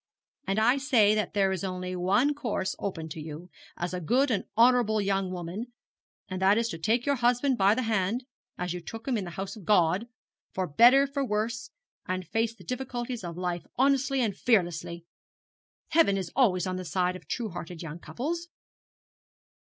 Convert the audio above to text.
And I say that there is only one course open to you, as a good and honourable young woman, and that is to take your husband by the hand, as you took him in the house of God, for better for worse, and face the difficulties of life honestly and fearlessly. Heaven is always on the side of true hearted young couples.'